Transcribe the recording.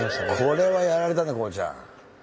これはやられたね孝ちゃん。